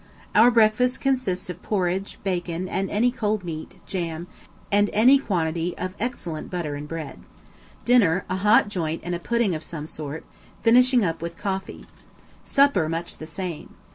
Our breakfast consists of porridge, bacon, and any cold meat, jam, and any quantity of excellent butter and bread. Dinner, a hot joint and a pudding of some sort, finishing up with coffee. Supper, much the same.